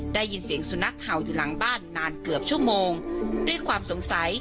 ได้ยินเสียงสุนัขเห่าอยู่หลังบ้านนานเกือบชั่วโมงด้วยความสงสัย